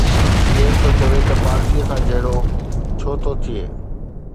ڪير ٿو چوي ته پارسيءَ سان جهيڙو ڇو ٿو ٿئي.